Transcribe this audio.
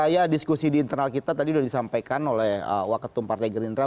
ya diskusi di internal kita tadi udah disampaikan oleh wak ketua partai gerindra